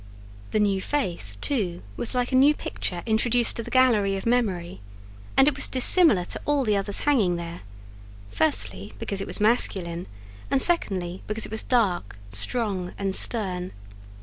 The new face, too, was like a new picture introduced to the gallery of memory; and it was dissimilar to all the others hanging there: firstly, because it was masculine; and, secondly, because it was dark, strong, and stern.